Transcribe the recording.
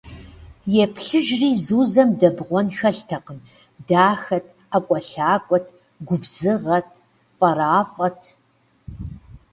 Еплъыжри - Зузэм дэбгъуэн хэлътэкъым: дахэт, ӏэкӏуэлъакӏуэт, губзыгъэт, фӏэрафӏэт!